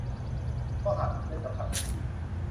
เพราะหากคุณได้สัมผัสมันจริง